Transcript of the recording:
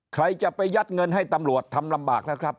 ใครจะไปยัดเงินให้ตำรวจทำลำบากแล้วครับ